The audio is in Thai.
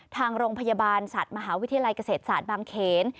ทางโรงพยาบาลสัตว์มหาวิทยาลัยเกษตรศาสตร์บางเขน